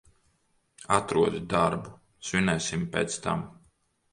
Atrodi darbu, svinēsim pēc tam.